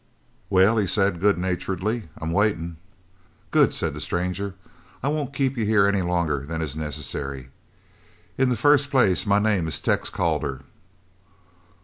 "Well," he said good naturedly, "I'm waitin'." "Good," said the stranger, "I won't keep you here any longer than is necessary. In the first place my name is Tex Calder."